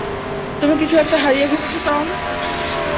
তুমি কিছু একটা হারিয়ে ফেলেছ, টম!